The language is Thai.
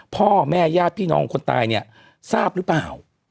พ่อแม่ญาติพี่น้องคนตายเนี่ยทราบหรือเปล่า